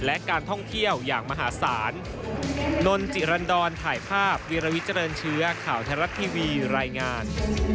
และการท่องเที่ยวอย่างมหาศาล